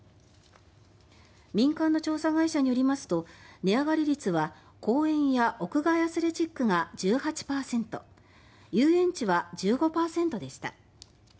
民間の調査会社によりますと値上がり率は公園や屋外アスレチックが１８％遊園地は１５％でした。